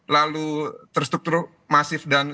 lalu terstruktur masif dan